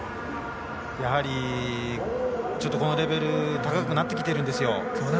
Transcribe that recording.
やはり、ちょっとこのレベル高くなってきてるんですよ。